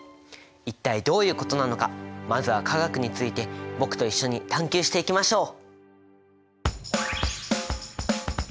一体どういうことなのかまずは化学について僕と一緒に探究していきましょう！